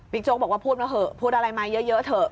โจ๊กบอกว่าพูดมาเถอะพูดอะไรมาเยอะเถอะ